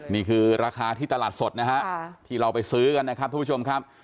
นี่คือราคาที่ตลาดสดนะฮะที่เราไปซื้อกันนะครับทุกผู้ชมครับ